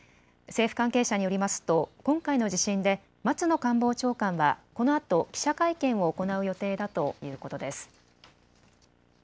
政府関係者によりますと今回の地震で松野官房長官はこのあと記者会見を行う予定だということです。